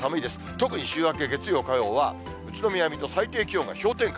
特に週明け、月曜、火曜は宇都宮、水戸、最低気温が氷点下。